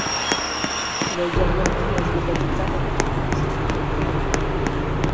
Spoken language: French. Il a également appris à jouer de la guitare et de la trompette.